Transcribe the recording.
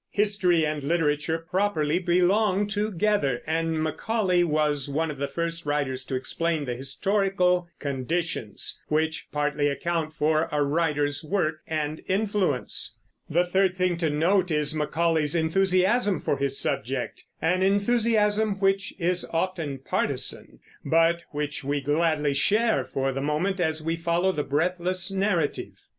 History and literature properly belong together, and Macaulay was one of the first writers to explain the historical conditions which partly account for a writer's work and influence. The third thing to note is Macaulay's enthusiasm for his subject, an enthusiasm which is often partisan, but which we gladly share for the moment as we follow the breathless narrative.